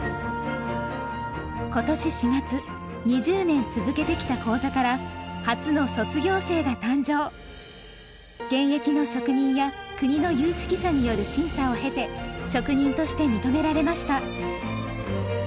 今年４月２０年続けてきた講座から現役の職人や国の有識者による審査を経て職人として認められました。